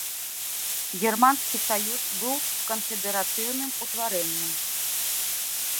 Германскі саюз быў канфедэратыўным утварэннем.